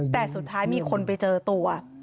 แต่สุดท้ายมีคนไปเจอตัว